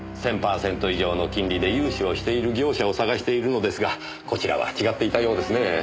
１０００パーセント以上の金利で融資をしている業者を探しているのですがこちらは違っていたようですね。